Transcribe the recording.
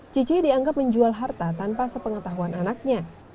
cici dianggap menjual harta tanpa sepengetahuan anaknya